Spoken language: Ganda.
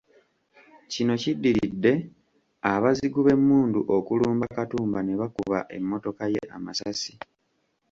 Kino kiddiridde abazigu b’emmundu okulumba Katumba ne bakuba emmotoka ye amasasi.